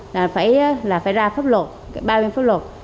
là phải ra pháp luật ba bên pháp luật